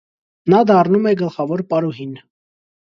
Նա դառնում է գլխավոր պարուհին։